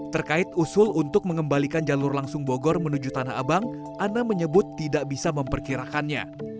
terkait usul untuk mengembalikan jalur langsung bogor menuju tanah abang ana menyebut tidak bisa memperkirakannya